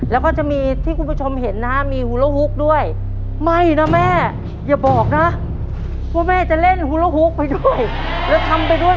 แล้วก็จะมีที่คุณผู้ชมเห็นมีฮูโวร่ฮุกด้วย